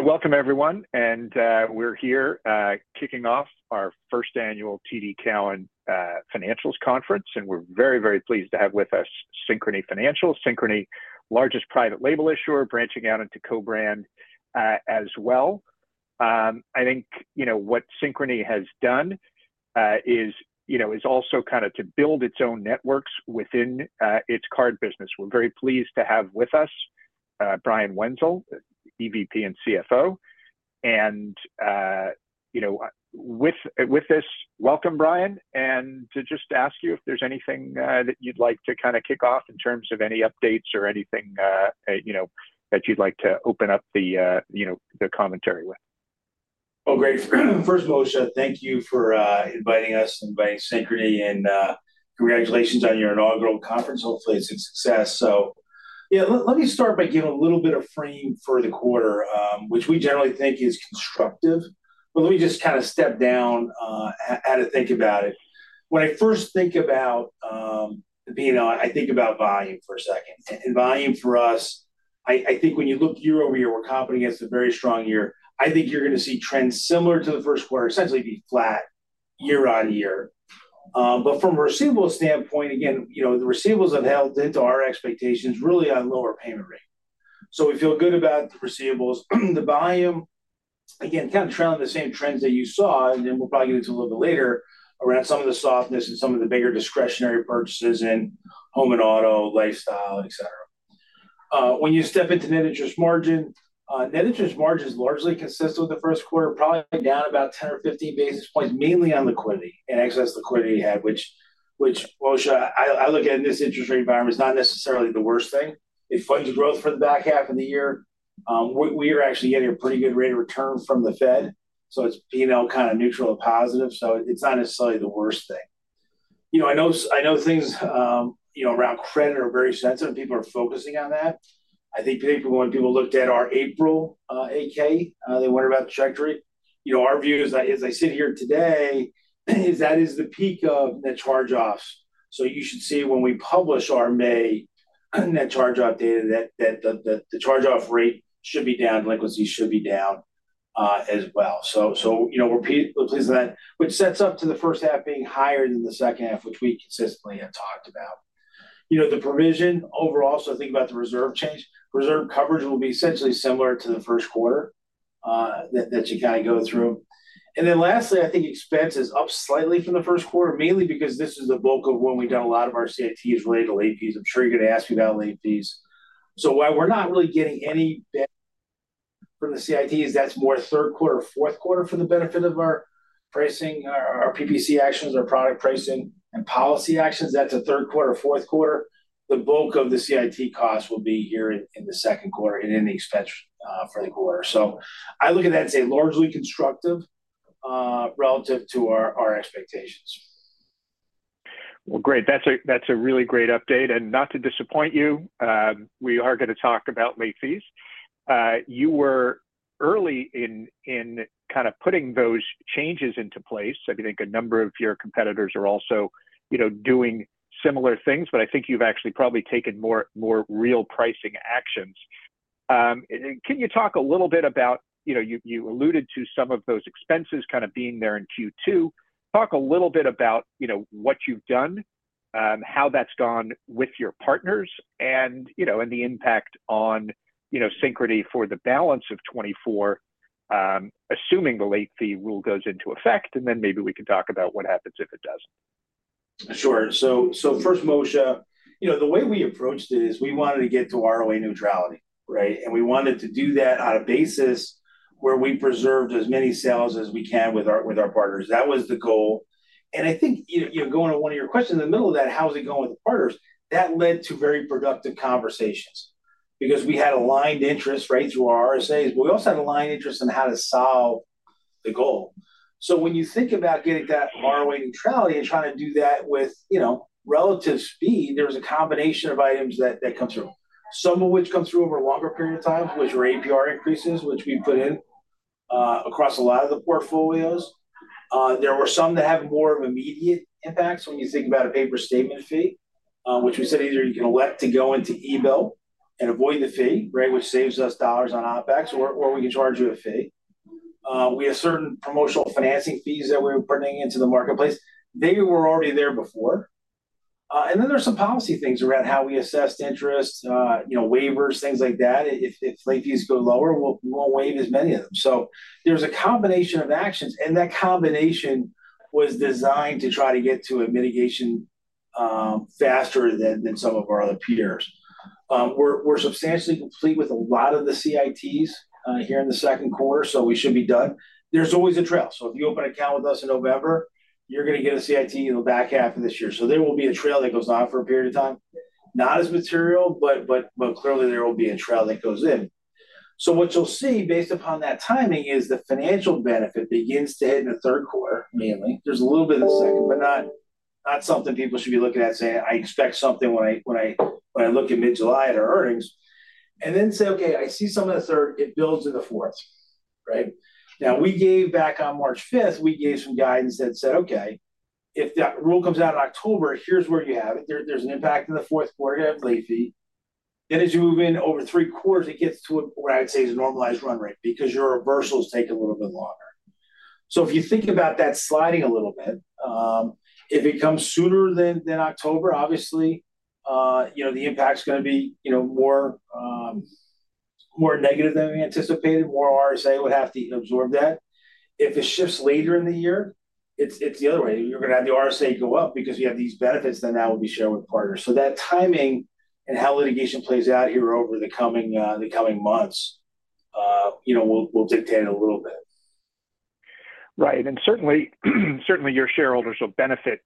So welcome, everyone, and, we're here, kicking off our first annual TD Cowen Financials Conference, and we're very, very pleased to have with us Synchrony Financial. Synchrony, largest private label issuer, branching out into co-brand, as well. I think, you know, what Synchrony has done, is, you know, is also kind of to build its own networks within, its card business. We're very pleased to have with us, Brian Wenzel, EVP and CFO, and, you know, with this, welcome, Brian, and to just ask you if there's anything, that you'd like to kind of kick off in terms of any updates or anything, you know, that you'd like to open up the, you know, the commentary with. Well, great. First of all, Moshe, thank you for inviting us, inviting Synchrony, and congratulations on your inaugural conference. Hopefully, it's a success. So yeah, let me start by giving a little bit of frame for the quarter, which we generally think is constructive. But let me just kind of step down how to think about it. When I first think about the PNL, I think about volume for a second. And volume for us, I think when you look year-over-year, we're competing against a very strong year. I think you're gonna see trends similar to the Q1, essentially be flat year-over-year. But from a receivables standpoint, again, you know, the receivables have held into our expectations really on lower payment rate. So we feel good about the receivables. The volume, again, kind of trailing the same trends that you saw, and then we'll probably get into a little bit later, around some of the softness and some of the bigger discretionary purchases in Home and Auto, Lifestyle, et cetera. When you step into net interest margin, net interest margin is largely consistent with the Q1, probably down about 10 or 15 basis points, mainly on liquidity and excess liquidity we had, which, well, I look at in this interest rate environment, is not necessarily the worst thing. It funds growth for the back half of the year. We are actually getting a pretty good rate of return from the Fed, so it's, you know, kind of neutral or positive, so it's not necessarily the worst thing. You know, I know I know things, you know, around credit are very sensitive, and people are focusing on that. I think people, when people looked at our April 8-K, they wonder about the trajectory. You know, our view is that, as I sit here today, is that is the peak of net charge-offs. So you should see when we publish our May net charge-off data, that the charge-off rate should be down, delinquency should be down, as well. So, you know, we're pleased with that, which sets up to the first half being higher than the second half, which we consistently have talked about. You know, the provision overall, so think about the reserve change. Reserve coverage will be essentially similar to the Q1, that you kind of go through. And then lastly, I think expense is up slightly from the Q1, mainly because this is the bulk of when we've done a lot of our CITs related to late fees. I'm sure you're gonna ask me about late fees. So while we're not really getting any benefit from the CITs, that's more Q3, Q4 for the benefit of our pricing, our PPC actions, our product pricing and policy actions, that's the Q3, Q4. The bulk of the CIT costs will be here in the Q2 and in the expense for the quarter. I look at that and say largely constructive relative to our expectations. Well, great. That's a really great update. And not to disappoint you, we are gonna talk about late fees. You were early in kind of putting those changes into place. I think a number of your competitors are also, you know, doing similar things, but I think you've actually probably taken more real pricing actions. And can you talk a little bit about... You know, you alluded to some of those expenses kind of being there in Q2. Talk a little bit about, you know, what you've done, how that's gone with your partners and, you know, and the impact on, you know, Synchrony for the balance of 2024, assuming the late fee rule goes into effect, and then maybe we can talk about what happens if it doesn't. Sure. So, so first, Moshe, you know, the way we approached it is we wanted to get to ROA neutrality, right? And we wanted to do that on a basis where we preserved as many sales as we can with our, with our partners. That was the goal. And I think, you know, you know, going to one of your questions in the middle of that, how is it going with the partners? That led to very productive conversations because we had aligned interests right through our RSAs, but we also had aligned interests on how to solve the goal. So when you think about getting that ROA neutrality and trying to do that with, you know, relative speed, there's a combination of items that come through, some of which come through over a longer period of time, which were APR increases, which we put in across a lot of the portfolios. There were some that have more immediate impacts when you think about a paper statement fee, which we said either you can elect to go into e-bill and avoid the fee, right? Which saves us dollars on OPEX, or we can charge you a fee. We have certain promotional financing fees that we're putting into the marketplace. They were already there before. And then there's some policy things around how we assess interest, you know, waivers, things like that. If late fees go lower, we'll, we won't waive as many of them. So there's a combination of actions, and that combination was designed to try to get to a mitigation faster than some of our other peers. We're substantially complete with a lot of the CITs here in the Q2, so we should be done. There's always a trail, so if you open an account with us in November, you're gonna get a CIT in the back half of this year. So there will be a trail that goes on for a period of time. Not as material, but clearly, there will be a trail that goes in. So what you'll see, based upon that timing, is the financial benefit begins to hit in the Q3, mainly. There's a little bit in the second, but not, not something people should be looking at saying, "I expect something when I, when I, when I look at mid-July at our earnings." And then say, "Okay, I see some of the third, it builds in the fourth." Right? Now, we gave back on 5 March, we gave some guidance that said, "Okay, if that rule comes out in October, here's where you have it. There, there's an impact in the Q4 at late fee. Then as you move in over three quarters, it gets to what I'd say is a normalized run rate, because your reversals take a little bit longer. So if you think about that sliding a little bit, if it comes sooner than October, obviously, you know, the impact's gonna be, you know, more negative than we anticipated, more RSA would have to absorb that. If it shifts later in the year, it's the other way. You're gonna have the RSA go up because you have these benefits that now will be shared with partners. So that timing and how litigation plays out here over the coming months, you know, will dictate it a little bit. Right. And certainly, certainly, your shareholders will benefit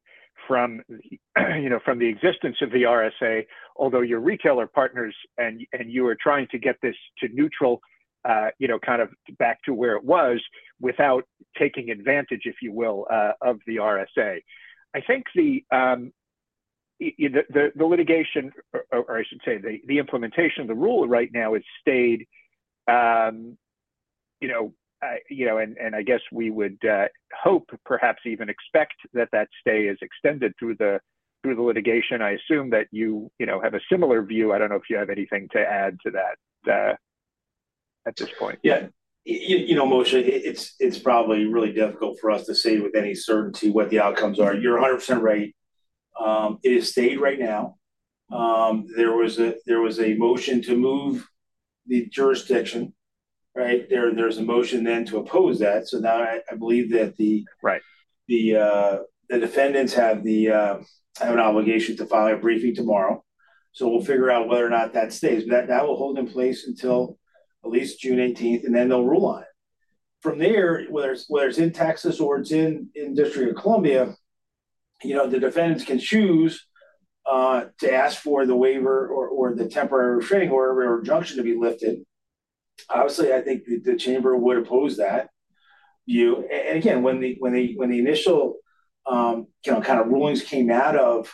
from, you know, from the existence of the RSA, although your retailer partners and, and you are trying to get this to neutral, you know, kind of back to where it was, without taking advantage, if you will, of the RSA. I think the litigation or, or I should say, the implementation of the rule right now is stayed, you know, you know, and I guess we would hope, perhaps even expect that that stay is extended through the litigation. I assume that you, you know, have a similar view. I don't know if you have anything to add to that, at this point. Yeah. You know, Moshe, it's probably really difficult for us to say with any certainty what the outcomes are. You're 100% right. It is stayed right now. There was a motion to move the jurisdiction, right? There's a motion to oppose that. So now I believe that the defendants have the, have an obligation to file a briefing tomorrow. So we'll figure out whether or not that stays. That, that will hold in place until at least 18 June, and then they'll rule on it. From there, whether it's, whether it's in Texas or it's in, in the District of Columbia, you know, the defendants can choose to ask for the waiver or, or the temporary restraining order or injunction to be lifted. Obviously, I think the, the chamber would oppose that view. And again, when the initial, you know, kind of rulings came out of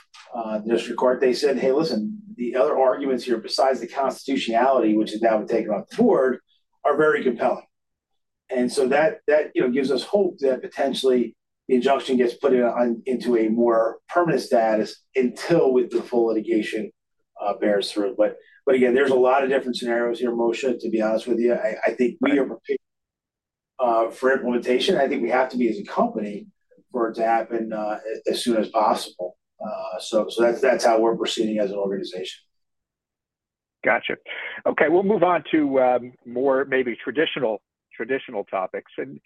district court, they said, "Hey, listen, the other arguments here, besides the constitutionality, which is now being taken off toward, are very compelling." And so that, you know, gives us hope that potentially the injunction gets put in, on, into a more permanent status until with the full litigation bears through. But again, there's a lot of different scenarios here, Moshe, to be honest with you. I think we are prepared for implementation. I think we have to be, as a company, for it to happen as soon as possible. So that's how we're proceeding as an organization. Gotcha. Okay, we'll move on to more maybe traditional, traditional topics. Can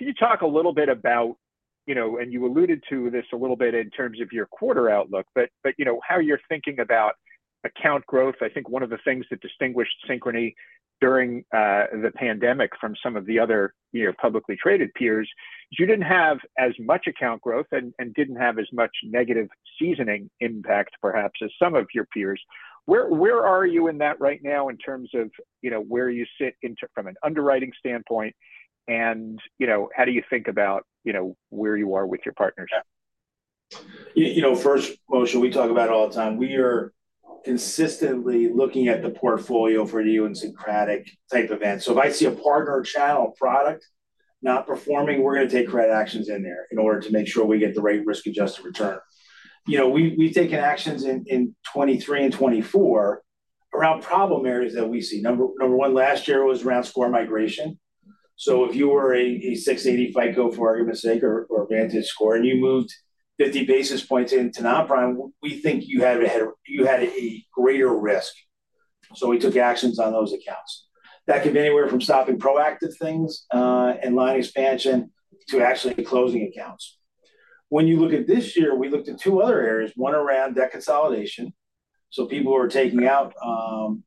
you talk a little bit about, you know, and you alluded to this a little bit in terms of your quarter outlook, but, but you know, how you're thinking about account growth. I think one of the things that distinguished Synchrony during the pandemic from some of the other, you know, publicly traded peers, is you didn't have as much account growth and, and didn't have as much negative seasoning impact, perhaps, as some of your peers. Where are you in that right now, in terms of, you know, where you sit in, from an underwriting standpoint, and, you know, how do you think about, you know, where you are with your partners at? You know, first, Moshe, we talk about it all the time. We are consistently looking at the portfolio for you in Synchrony-type event. So if I see a partner or channel product not performing, we're gonna take correct actions in there in order to make sure we get the right risk-adjusted return. You know, we, we've taken actions in 2023 and 2024 around problem areas that we see. Number one last year was around score migration. So if you were a 680 FICO, for argument's sake, or VantageScore, and you moved 50 basis points into non-prime, we think you had a greater risk. So we took actions on those accounts. That could be anywhere from stopping proactive things and line expansion, to actually closing accounts. When you look at this year, we looked at two other areas, one around debt consolidation, so people who are taking out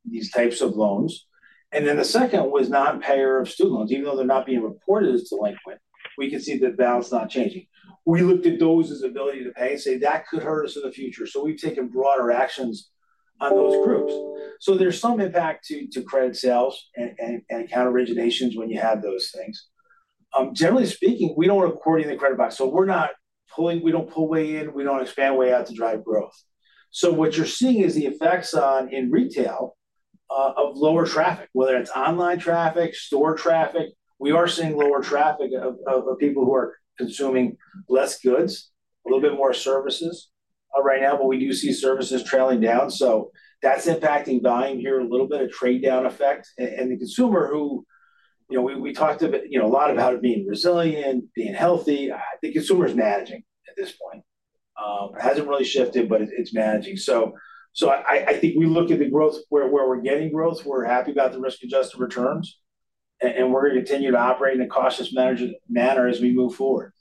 these types of loans. Then the second was non-payer of student loans. Even though they're not being reported as delinquent, we can see the balance not changing. We looked at those as ability to pay and say, "That could hurt us in the future." So we've taken broader actions on those groups. So there's some impact to credit sales and account originations when you have those things. Generally speaking, we don't record any credit back, so we don't pull way in, we don't expand way out to drive growth. So what you're seeing is the effects on, in retail, of lower traffic, whether it's online traffic, store traffic. We are seeing lower traffic of people who are consuming less goods, a little bit more services, right now, but we do see services trailing down. So that's impacting buying here, a little bit of trade down effect. And the consumer who, you know, we talked a bit, you know, a lot about it being resilient, being healthy, the consumer is managing at this point. It hasn't really shifted, but it's managing. So I think we look at the growth where we're getting growth, we're happy about the risk-adjusted returns, and we're gonna continue to operate in a cautious manager, manner as we move forward.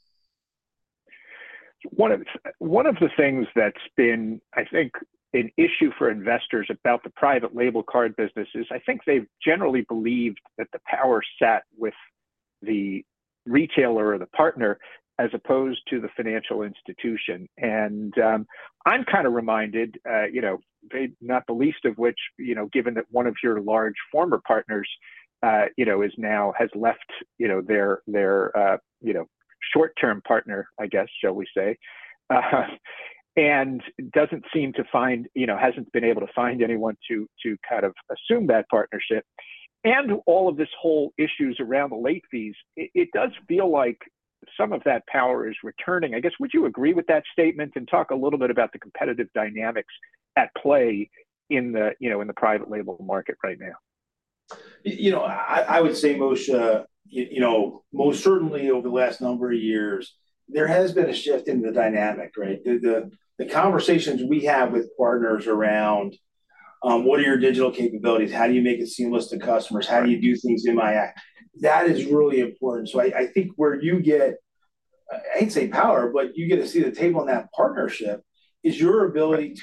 One of the things that's been, I think, an issue for investors about the private label card business is, I think they've generally believed that the power sat with the retailer or the partner, as opposed to the financial institution. And I'm kind of reminded, you know, not the least of which, you know, given that one of your large former partners, you know, is now has left their short-term partner, I guess, shall we say? And doesn't seem to find, you know, hasn't been able to find anyone to kind of assume that partnership, and all of this whole issues around the late fees, it does feel like some of that power is returning. I guess, would you agree with that statement? Talk a little bit about the competitive dynamics at play in the, you know, in the private label market right now. You know, I would say, Moshe, you know, most certainly over the last number of years, there has been a shift in the dynamic, right? The conversations we have with partners around what are your Digital capabilities? How do you make it seamless to customers? How do you do things in my app? That is really important. So I think where you get, I'd say power, but you get to see the table in that partnership, is your ability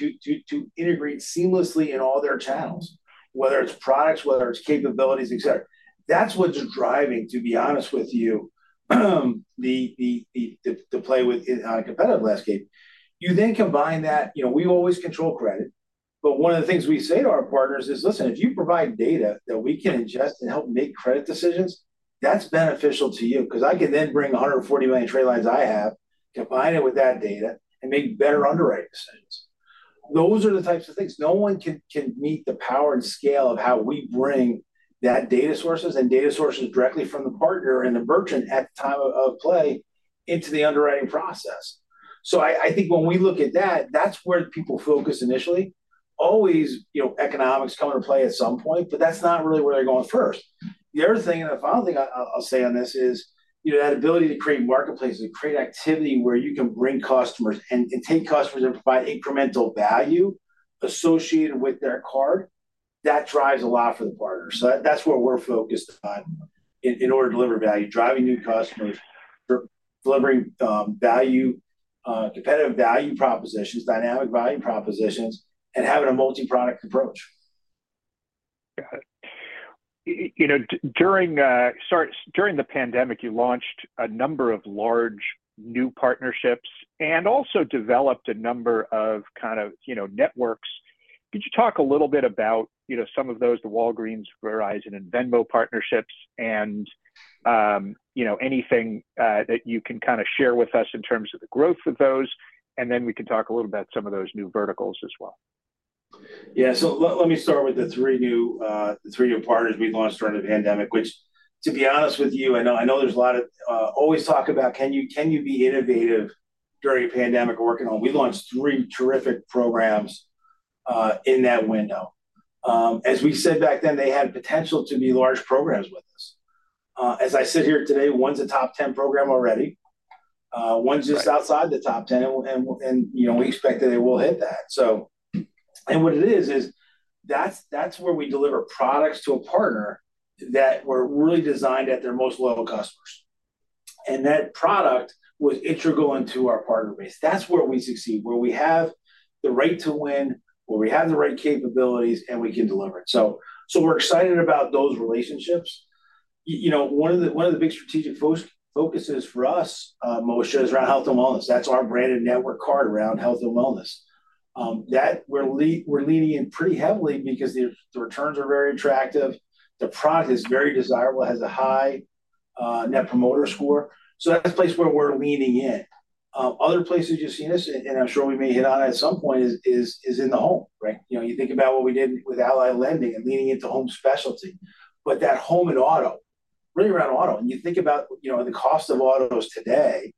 to integrate seamlessly in all their channels, whether it's products, whether it's capabilities, et cetera. That's what's driving, to be honest with you, the play with competitive landscape. You then combine that, you know, we always control credit, but one of the things we say to our partners is, "Listen, if you provide data that we can adjust and help make credit decisions, that's beneficial to you." Because I can then bring 140 million trade lines I have, combine it with that data, and make better underwriting decisions. Those are the types of things. No one can meet the power and scale of how we bring that data sources and data sources directly from the partner and the merchant at the time of play into the underwriting process. So I think when we look at that, that's where people focus initially. Always, you know, economics come into play at some point, but that's not really where they're going first. The other thing, and the final thing I'll say on this is, you know, that ability to create marketplaces and create activity where you can bring customers and take customers and provide incremental value associated with their card, that drives a lot for the partner. So that's where we're focused on in order to deliver value, driving new customers, for delivering value, competitive value propositions, dynamic value propositions, and having a multi-product approach. Got it. You know, during the pandemic, you launched a number of large new partnerships and also developed a number of kind of, you know, networks. Could you talk a little bit about, you know, some of those, the Walgreens, Verizon, and Venmo partnerships and, you know, anything that you can kinda share with us in terms of the growth of those, and then we can talk a little about some of those new verticals as well. Yeah. So let me start with the three new partners we launched during the pandemic, which, to be honest with you, I know, I know there's a lot of always talk about, can you, can you be innovative during a pandemic or working from home? We launched three terrific programs in that window. As we said back then, they had potential to be large programs with us. As I sit here today, one's a top ten program already, one's just outside the top ten, and you know, we expect that they will hit that. So, what it is, is that's where we deliver products to a partner that were really designed at their most level customers, and that product was integral into our partner base. That's where we succeed, where we have the right to win, where we have the right capabilities, and we can deliver it. So, we're excited about those relationships. You know, one of the big strategic focuses for us, Moshe, is around Health and Wellness. That's our branded network card around Health and Wellness. We're leaning in pretty heavily because the returns are very attractive, the product is very desirable, has a high net promoter score, so that's a place where we're leaning in. Other places you've seen us, and I'm sure we may hit on at some point, is in the home, right? You know, you think about what we did with Ally Lending and leaning into Home Specialty. But that home and auto, really around auto, and you think about, you know, the cost of autos today,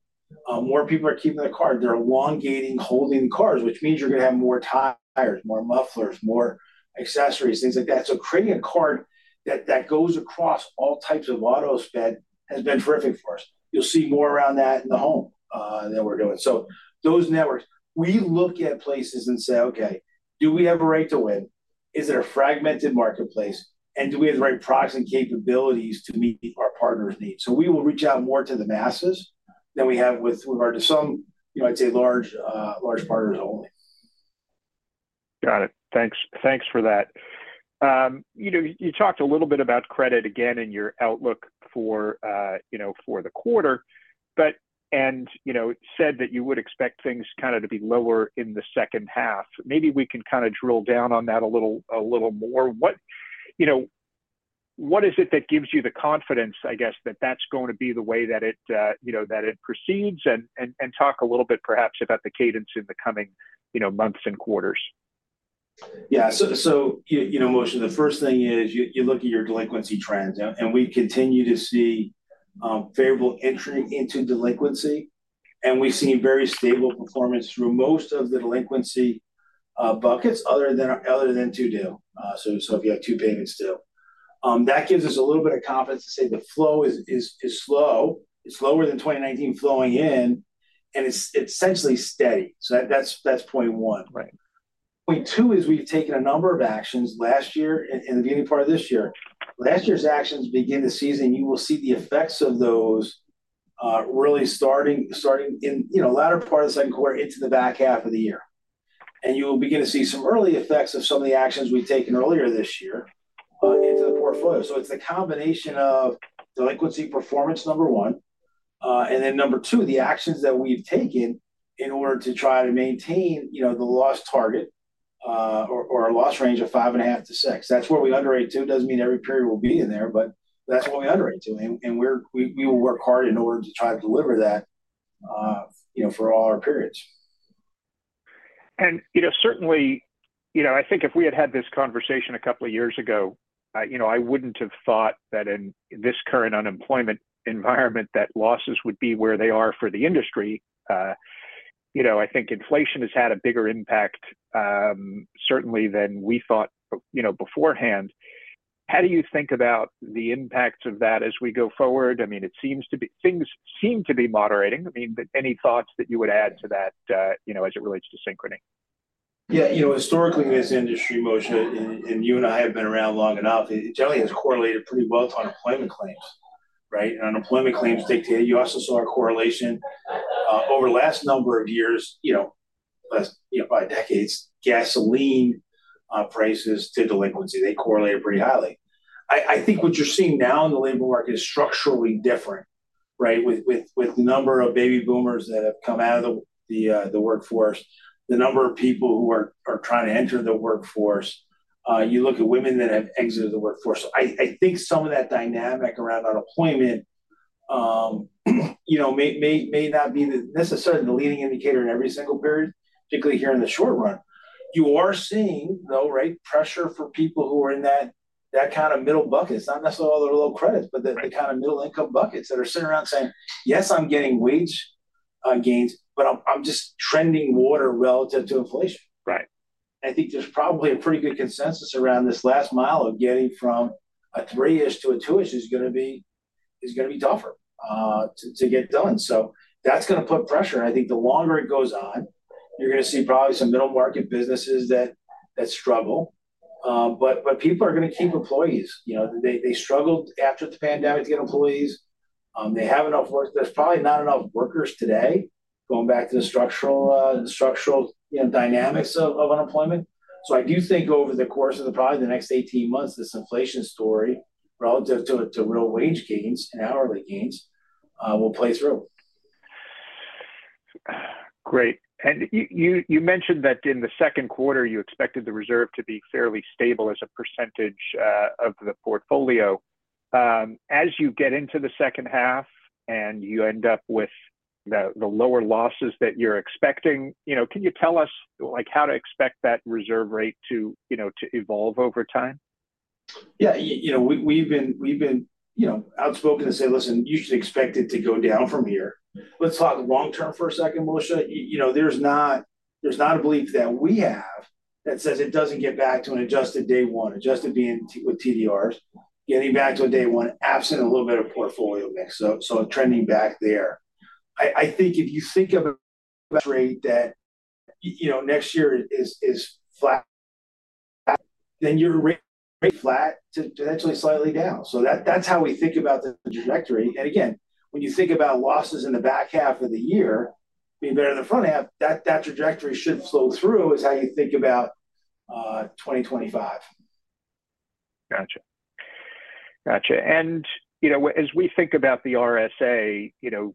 more people are keeping their car. They're elongating, holding cars, which means you're gonna have more tires, more mufflers, more accessories, things like that. So creating a card that goes across all types of auto spend has been terrific for us. You'll see more around that in the home, that we're doing. So those networks, we look at places and say, "Okay, do we have a right to win? Is it a fragmented marketplace, and do we have the right products and capabilities to meet our partners' needs?" So we will reach out more to the masses than we have with regard to some, you know, I'd say large partners only. Got it. Thanks, thanks for that. You know, you talked a little bit about credit again in your outlook for, you know, for the quarter, but, and, you know, said that you would expect things kind of to be lower in the second half. Maybe we can kind of drill down on that a little, a little more. You know, what is it that gives you the confidence, I guess, that that's going to be the way that it, you know, that it proceeds, and, and, and talk a little bit perhaps about the cadence in the coming, you know, months and quarters? Yeah. So you know, Moshe, the first thing is you look at your delinquency trends, and we continue to see favorable entering into delinquency, and we've seen very stable performance through most of the delinquency buckets, other than two due. So if you have two payments due. That gives us a little bit of confidence to say the flow is slow. It's slower than 2019 flowing in, and it's essentially steady. So that's point one, right? Point two is we've taken a number of actions last year and the beginning part of this year. Last year's actions begin this season. You will see the effects of those really starting in you know, latter part of the Q2 into the back half of the year. You'll begin to see some early effects of some of the actions we've taken earlier this year into the portfolio. So it's a combination of delinquency performance, number one, and then number two, the actions that we've taken in order to try to maintain, you know, the loss target, or a loss range of 5.5 to 6. That's what we underwrite to. Doesn't mean every period will be in there, but that's what we underwrite to, and we will work hard in order to try to deliver that, you know, for all our periods. And, you know, certainly, you know, I think if we had had this conversation a couple of years ago, I, you know, I wouldn't have thought that in this current unemployment environment, that losses would be where they are for the industry. You know, I think inflation has had a bigger impact, certainly than we thought, you know, beforehand. How do you think about the impact of that as we go forward? I mean, things seem to be moderating. I mean, but any thoughts that you would add to that, you know, as it relates to Synchrony? Yeah, you know, historically, this industry, Moshe, and you and I have been around long enough, it generally has correlated pretty well to unemployment claims, right? And unemployment claims dictate... You also saw a correlation over the last number of years, you know, as you know, by decades, gasoline prices to delinquency, they correlate pretty highly. I think what you're seeing now in the labor market is structurally different, right? With the number of baby boomers that have come out of the workforce, the number of people who are trying to enter the workforce, you look at women that have exited the workforce. So I think some of that dynamic around unemployment, you know, may not be necessarily the leading indicator in every single period, particularly here in the short run. You are seeing, though, right, pressure for people who are in that, that kind of middle buckets, not necessarily all the low credits. But the kind of middle-income buckets that are sitting around saying, "Yes, I'm getting wage gains, but I'm just treading water relative to inflation. I think there's probably a pretty good consensus around this last mile of getting from a three-ish to a two-ish is gonna be. It's gonna be tougher to get done. So that's gonna put pressure. I think the longer it goes on, you're gonna see probably some middle-market businesses that struggle. But people are gonna keep employees. You know, they struggled after the pandemic to get employees. They have enough work. There's probably not enough workers today, going back to the structural, you know, dynamics of unemployment. So I do think over the course of probably the next 18 months, this inflation story, relative to real wage gains and hourly gains, will play through. Great. And you mentioned that in the Q2, you expected the reserve to be fairly stable as a percentage of the portfolio. As you get into the second half, and you end up with the lower losses that you're expecting, you know, can you tell us, like, how to expect that reserve rate to, you know, to evolve over time? Yeah, you know, we've been, you know, outspoken to say, "Listen, you should expect it to go down from here." Let's talk long term for a second, Moshe. You know, there's not a belief that we have that says it doesn't get back to an adjusted day one, adjusted being with TDRs. Getting back to a day one, absent a little bit of portfolio mix, so trending back there. I think if you think of a rate that, you know, next year is flat, then you're flat to potentially slightly down. So that's how we think about the trajectory. And again, when you think about losses in the back half of the year being better than the front half, that trajectory should flow through, is how you think about 2025. Gotcha. Gotcha. And, you know, as we think about the RSA, you know,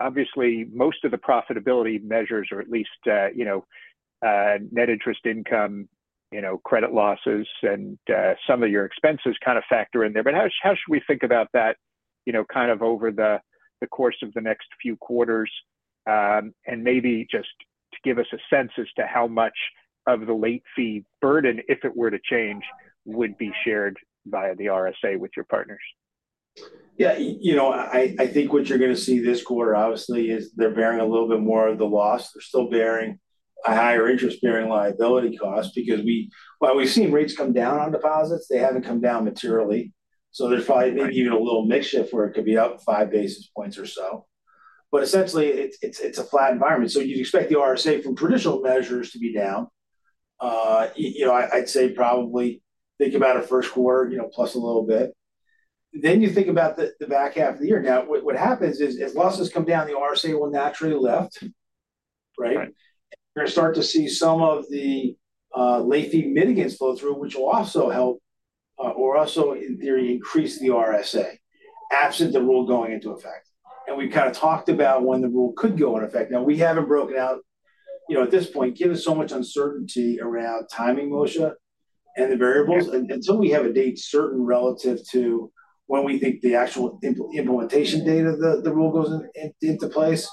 obviously, most of the profitability measures, or at least, you know, net interest income, you know, credit losses and, some of your expenses kind of factor in there. But how should we think about that, you know, kind of over the course of the next few quarters? And maybe just to give us a sense as to how much of the late fee burden, if it were to change, would be shared via the RSA with your partners. Yeah, you know, I, I think what you're gonna see this quarter, obviously, is they're bearing a little bit more of the loss. They're still bearing a higher interest bearing liability cost because we—while we've seen rates come down on deposits, they haven't come down materially. So there's probably, even a little mix shift where it could be up 5 basis points or so. But essentially, it's a flat environment. So you'd expect the RSA from traditional measures to be down. You know, I'd say probably think about a Q1, you know, plus a little bit. Then you think about the back half of the year. Now, what happens is, as losses come down, the RSA will naturally lift, right? Right. You're starting to see some of the late fee mitigants flow through, which will also help, or also, in theory, increase the RSA, absent the rule going into effect. And we've kind of talked about when the rule could go in effect. Now, we haven't broken out. You know, at this point, given so much uncertainty around timing, Moshe, and the variables, until we have a date certain relative to when we think the actual implementation date of the rule goes into place,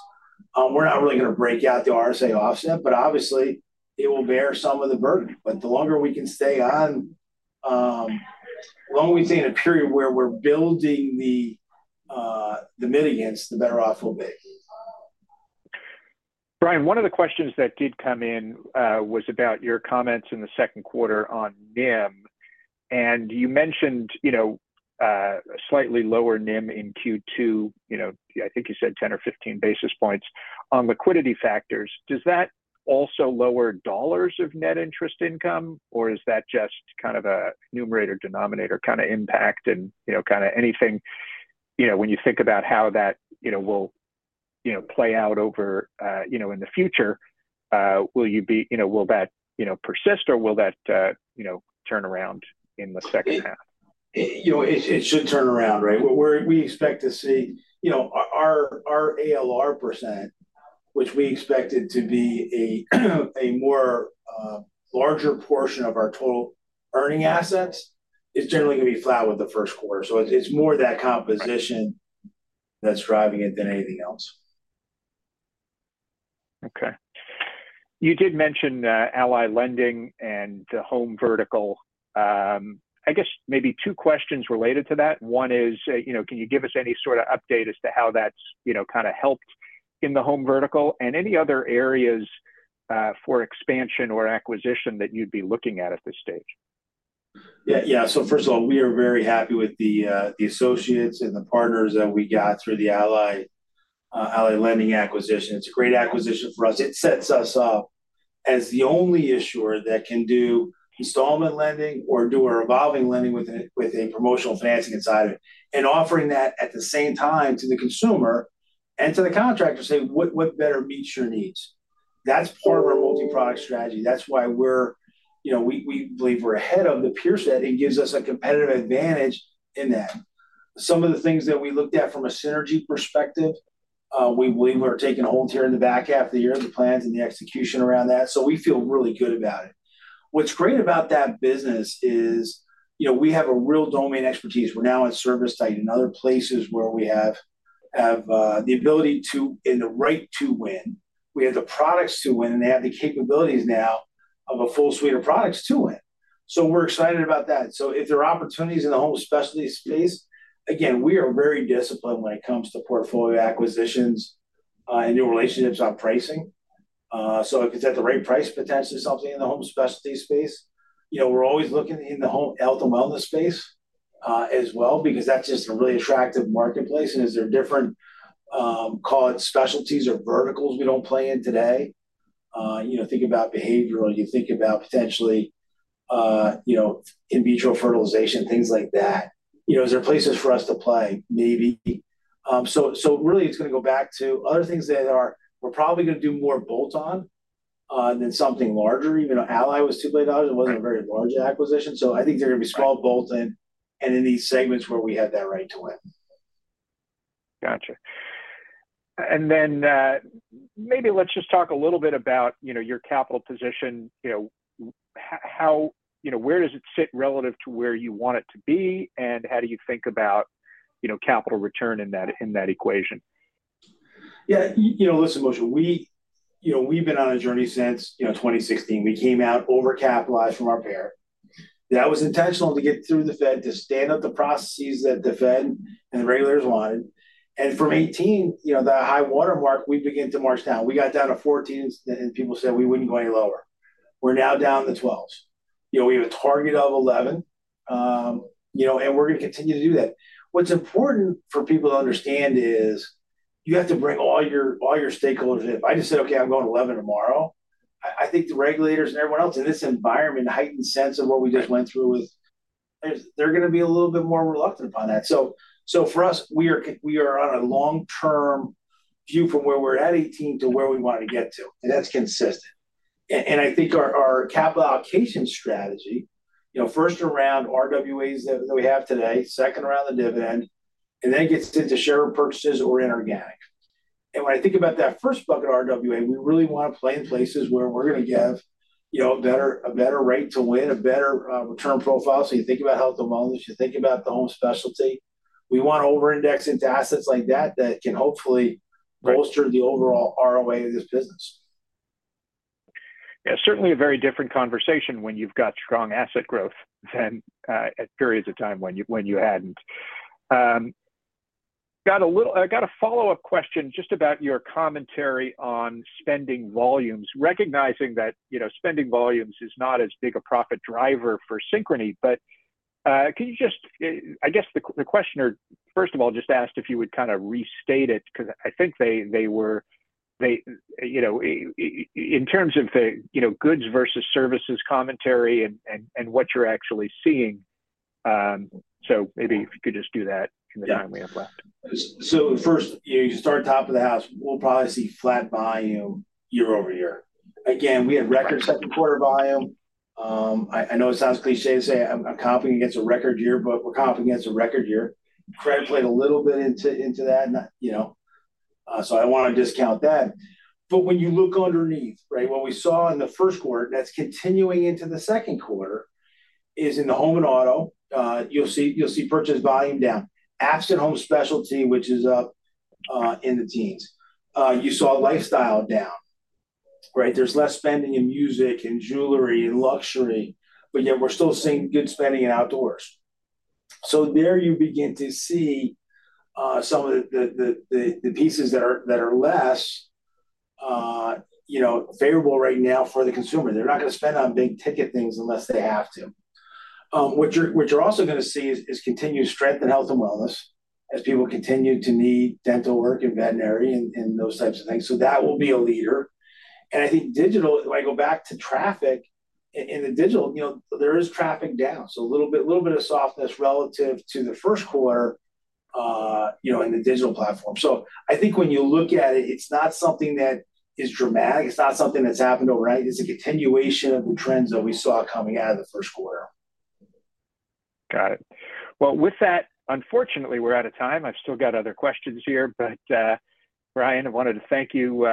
we're not really going to break out the RSA offset, but obviously, it will bear some of the burden. But the longer we can stay on, the longer we stay in a period where we're building the mitigants, the better off we'll be. Brian, one of the questions that did come in was about your comments in the Q2 on NIM. And you mentioned, you know, slightly lower NIM in Q2, you know, I think you said 10 or 15 basis points on liquidity factors. Does that also lower dollars of net interest income, or is that just kind of a numerator, denominator kind of impact? And, you know, kind of anything, you know, when you think about how that, you know, will, you know, play out over, you know, in the future, will you be... You know, will that, you know, persist, or will that, you know, turn around in the second half?... you know, it should turn around, right? We expect to see, you know, our ALR %, which we expected to be a larger portion of our total earning assets, is generally gonna be flat with the Q1. So it's more that composition that's driving it than anything else. Okay. You did mention, Ally Lending and the home vertical. I guess maybe two questions related to that. One is, you know, can you give us any sort of update as to how that's, you know, kind of helped in the home vertical? And any other areas, for expansion or acquisition that you'd be looking at, at this stage. Yeah, yeah. So first of all, we are very happy with the associates and the partners that we got through the Ally Lending acquisition. It's a great acquisition for us. It sets us up as the only issuer that can do installment lending or do a revolving lending with a promotional financing inside it. And offering that at the same time to the consumer and to the contractor, saying, "What better meets your needs?" That's part of our multi-product strategy. That's why we're, you know, we believe we're ahead of the peer set; it gives us a competitive advantage in that. Some of the things that we looked at from a synergy perspective, we believe are taking hold here in the back half of the year, the plans and the execution around that, so we feel really good about it. What's great about that business is, you know, we have a real domain expertise. We're now at ServiceTitan and other places where we have the ability to, and the right to win. We have the products to win, and they have the capabilities now of a full suite of products to win. So we're excited about that. So if there are opportunities in the Home Specialty space, again, we are very disciplined when it comes to portfolio acquisitions and new relationships on pricing. So if it's at the right price, potentially something in the Home Specialty space. You know, we're always looking in the home health and wellness space as well, because that's just a really attractive marketplace. And is there different, call it specialties or verticals we don't play in today? You know, think about behavioral, you think about potentially, you know, in vitro fertilization, things like that. You know, is there places for us to play? Maybe. So really it's gonna go back to other things that we're probably gonna do more bolt-on than something larger. Even though Ally was $2 billion, it wasn't a very large acquisition. So I think they're gonna be small bolt-ons and in these segments where we have that right to win. Gotcha. And then, maybe let's just talk a little bit about, you know, your capital position. You know, where does it sit relative to where you want it to be, and how do you think about, you know, capital return in that, in that equation? Yeah, you know, listen, Moshe, we, you know, we've been on a journey since, you know, 2016. We came out over-capitalized from our parent. That was intentional to get through the Fed, to stand up the processes that the Fed and the regulators wanted. And from 2018, you know, the high water mark, we began to march down. We got down to 14, and people said we wouldn't go any lower. We're now down to 12. You know, we have a target of 11, you know, and we're gonna continue to do that. What's important for people to understand is, you have to bring all your, all your stakeholders in. If I just said, "Okay, I'm going to 11 tomorrow," I think the regulators and everyone else in this environment, heightened sense of what we just went through with... They're gonna be a little bit more reluctant on that. So for us, we are on a long-term view from where we're at, 18, to where we want to get to, and that's consistent. And I think our capital allocation strategy, you know, first around RWAs that we have today, second around the dividend, and then it gets into share purchases or inorganic. And when I think about that first bucket of RWA, we really want to play in places where we're gonna have, you know, a better rate to win, a better return profile. So you think about Health and Wellness, you think about the Home Specialty. We want to over-index into assets like that that can hopefully bolster the overall ROA of this business. Yeah, certainly a very different conversation when you've got strong asset growth than at periods of time when you hadn't. I got a follow-up question just about your commentary on spending volumes. Recognizing that, you know, spending volumes is not as big a profit driver for Synchrony, but can you just... I guess the questioner, first of all, just asked if you would kind of restate it, 'cause I think they were, you know, in terms of the goods versus services commentary, and what you're actually seeing. So maybe if you could just do that in the time we have left. So first, you start top of the house, we'll probably see flat volume year-over-year. Again, we had record Q2 volume. I know it sounds cliché to say I'm competing against a record year, but we're competing against a record year. Credit played a little bit into that, you know, so I wanna discount that. But when you look underneath, right, what we saw in the Q1, and that's continuing into the Q2, is in the Home and Auto, you'll see purchase volume down. Absent Home Specialty, which is up in the teens. You saw Lifestyle down, right? There's less spending in music, in jewelry, in luxury, but yet we're still seeing good spending in outdoors. So there you begin to see some of the pieces that are less, you know, favorable right now for the consumer. They're not gonna spend on big-ticket things unless they have to. What you're also gonna see is continued strength in health and wellness, as people continue to need dental work and veterinary and those types of things. So that will be a leader. And I think digital, if I go back to traffic, in the digital, you know, there is traffic down. So a little bit of softness relative to the Q1, you know, in the digital platform. So I think when you look at it, it's not something that is dramatic, it's not something that's happened overnight. It's a continuation of the trends that we saw coming out of the Q1. Got it. Well, with that, unfortunately, we're out of time. I've still got other questions here, but, Brian, I wanted to thank you,